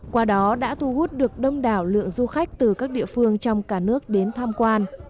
qua đó đã thu hút được đông đảo lượng du khách từ các địa phương trong cả nước đến tham quan